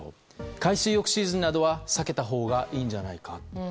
海水浴シーズンなどは避けたほうがいいんじゃないかと。